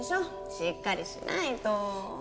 しっかりしないと。